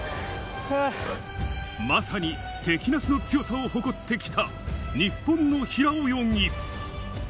まさに敵なしの強さを誇ってきた日本の平泳ぎ。